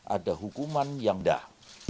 ada hukuman yang dah